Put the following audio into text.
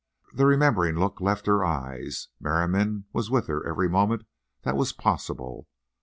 The remembering look left her eyes. Merriam was with her every moment that was possible.